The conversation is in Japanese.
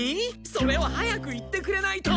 それを早く言ってくれないと。